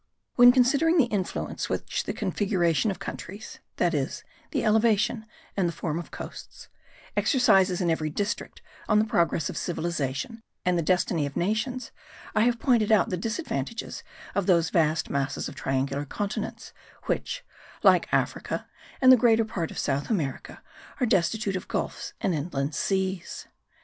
When considering the influence which the configuration of countries (that is, the elevation and the form of coasts) exercises in every district on the progress of civilization and the destiny of nations, I have pointed out the disadvantages of those vast masses of triangular continents, which, like Africa and the greater part of South America, are destitute of gulfs and inland seas.